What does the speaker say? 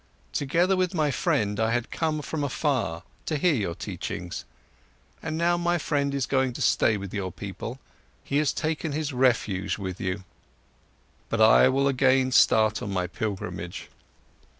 Together with my friend, I had come from afar, to hear your teachings. And now my friend is going to stay with your people, he has taken his refuge with you. But I will again start on my pilgrimage."